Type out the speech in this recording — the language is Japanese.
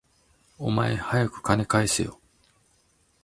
お前、はやく金返せよ